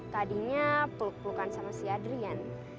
tadinya peluk pelukan sama si adrian